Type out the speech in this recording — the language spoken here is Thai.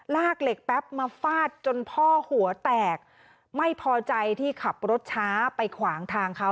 ลากเหล็กแป๊บมาฟาดจนพ่อหัวแตกไม่พอใจที่ขับรถช้าไปขวางทางเขา